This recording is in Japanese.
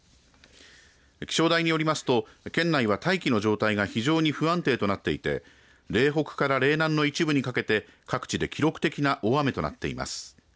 気象台によりますと県内は、大気の状態が非常に不安定となっていて嶺北から嶺南の一部にかけて各地で記録的な大雨となっています。